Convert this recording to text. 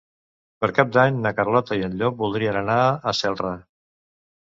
Per Cap d'Any na Carlota i en Llop voldrien anar a Celrà.